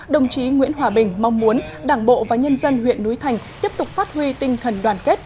đồng chí nguyễn hòa bình mong muốn đảng bộ và nhân dân huyện núi thành tiếp tục phát huy tinh thần đoàn kết